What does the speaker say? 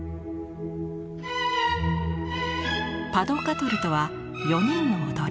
パ・ド・カトルとは「４人の踊り」。